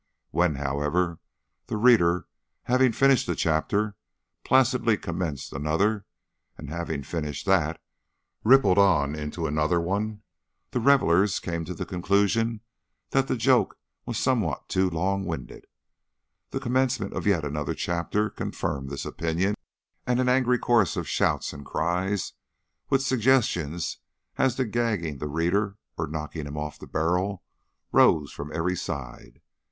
When, however, the reader, having finished the chapter, placidly commenced another, and having finished that rippled on into another one, the revellers came to the conclusion that the joke was somewhat too long winded. The commencement of yet another chapter confirmed this opinion, and an angry chorus of shouts and cries, with suggestions as to gagging the reader or knocking him off the barrel, rose from every side.